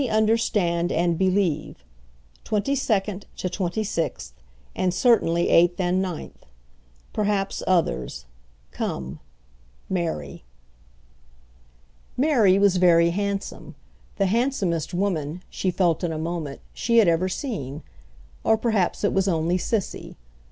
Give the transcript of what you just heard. Only understand and believe. 22nd to 26th, and certainly 8th and 9th. Perhaps others. Come. Mary." Mary was very handsome, the handsomest woman, she felt in a moment, she had ever seen—or perhaps it was only Cissy.